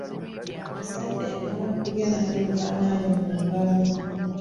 Omusajja yamala kulya n'alyoka anaaba mu ngalo.